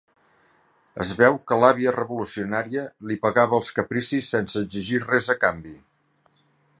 Es veu que l'àvia revolucionària li pagava els capricis sense exigir res a canvi.